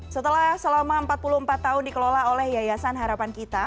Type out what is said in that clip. setelah selama empat puluh empat tahun dikelola oleh yayasan harapan kita